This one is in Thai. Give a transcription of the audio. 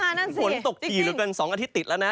อ่านั่นสิจริงฝนตกอีกเหลือกัน๒อาทิตย์ละนะ